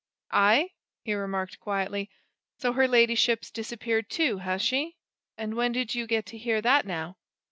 "Aye?" he remarked quietly. "So her ladyship's disappeared, too, has she? And when did you get to hear that, now?"